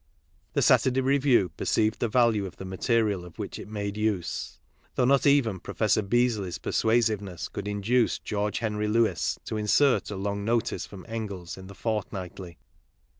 The Saturday Review perceived the value of the material of which it made use ; though not even Professor Beesly's persuasiveness could induce George Henry Lewes to insert a long notice from Engels in the Fortnightly.